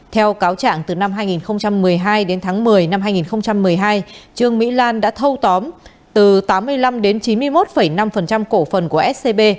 theo cáo trạng từ năm hai nghìn một mươi hai đến tháng một mươi năm hai nghìn một mươi hai trương mỹ lan đã thâu tóm từ tám mươi năm đến chín mươi một năm cổ phần của scb